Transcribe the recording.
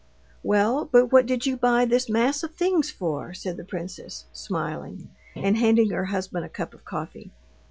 "Well, but what did you buy this mass of things for?" said the princess, smiling, and handing her husband a cup of coffee.